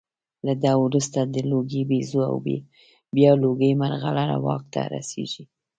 له ده وروسته د لوګي بیزو او بیا لوګي مرغلره واک ته رسېږي